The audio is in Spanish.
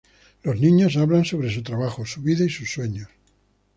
Los niños hablan sobre su trabajo, su vida y sus sueños.